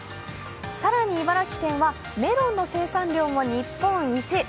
更に、茨城県はメロンの生産量も日本一。